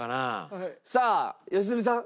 さあ良純さん。